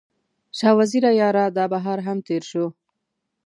شاه وزیره یاره، دا بهار هم تیر شو